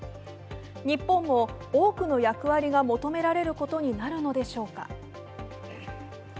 日本も多くの役割が求められることになるのでしょうか。